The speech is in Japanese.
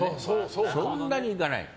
そんなに行かない。